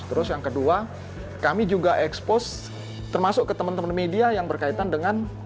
terus yang kedua kami juga expose termasuk ke teman teman media yang berkaitan dengan